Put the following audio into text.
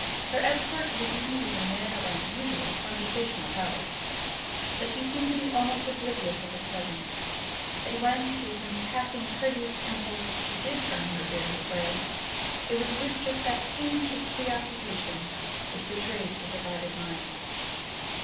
Her escort for the evening was a man of unusual conversational powers; but she seemed to be almost oblivious of his presence; and when, through some passing courteous impulse, she did turn her ear his way, it was with just that tinge of preoccupation which betrays the divided mind.